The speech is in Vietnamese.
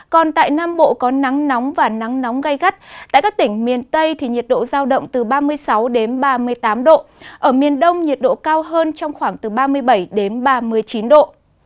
còn tại nam bộ có nắng nóng và nắng nóng gai gắt tại các tỉnh miền tây thì nhiệt độ giao động từ ba mươi sáu đến ba mươi tám độ ở miền đông nhiệt độ cao hơn trong khoảng từ ba mươi bảy đến ba mươi chín độ